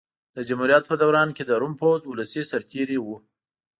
د جمهوریت په دوران کې د روم پوځ ولسي سرتېري وو